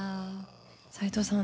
斉藤さん